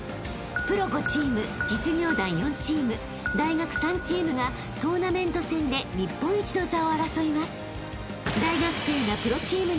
［プロ５チーム実業団４チーム大学３チームがトーナメント戦で日本一の座を争います］